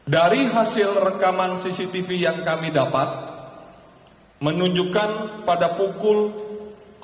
dari hasil rekaman cctv yang kami dapat menunjukkan pada pukul satu tiga puluh sembilan menit lewat sembilan detik